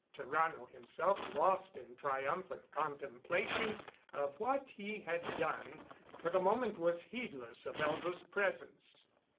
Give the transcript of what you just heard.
Tarrano himself lost in triumphant contemplation of what he had done, for the moment was heedless of Elza's presence.